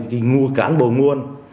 cái ngôi cán bồ nguồn